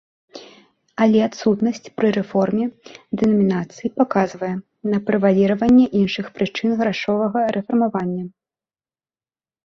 Але адсутнасць пры рэформе дэнамінацыі паказвае на прэваліраванне іншых прычын грашовага рэфармавання.